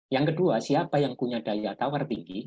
yang kedua siapa yang punya daya tawar tinggi